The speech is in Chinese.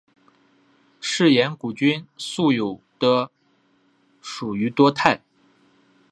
嗜盐古菌素有的属于多肽。